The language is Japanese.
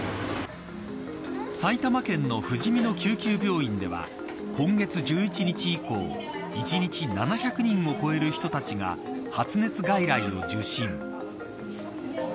埼玉県のふじみの救急病院では今月１１日以降１日７００人を超える人たちが発熱外来を受診。